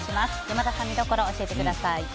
山田さん、見どころを教えてください。